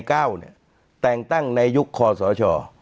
เนี่ยแต่งตั้งในยุคคอสช